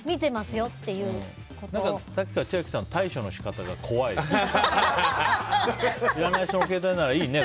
何か、さっきから千秋さん対処の仕方が怖いですね。